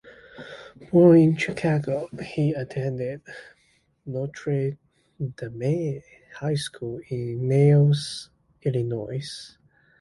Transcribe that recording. Born in Chicago, he attended Notre Dame High School in Niles, Illinois.